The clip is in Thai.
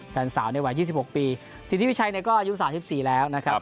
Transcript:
แฟนสาวในวัย๒๖ปีสิทธิวิชัยก็อายุ๓๔แล้วนะครับ